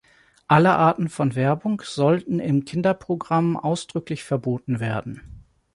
Alle Arten von Werbung sollten in Kinderprogrammen ausdrücklich verboten werden.